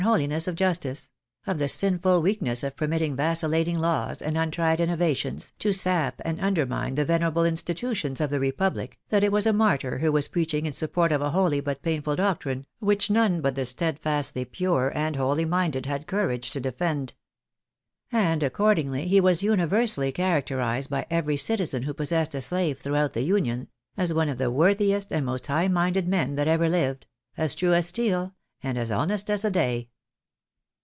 holiness of justice ; of the sinful weakness of permitting vacillating laws, and untried innovations, to sap and undermine the venerable institutions of the republic, that it was a martyr who was preach ing in support of a holy but painful doctrine, which none but the steadfastly pure and holy minded had courage to defend. And, accordingly, he was universally characterised by every citizen who possessed a slave throughout the Union, "as one of the worthiest and most high minded men that ever lived — as true as steel, and as honest as the day."